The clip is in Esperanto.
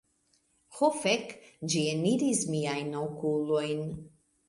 Ho fek... ĝi eniris miajn okulojn.